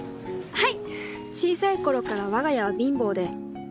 はい。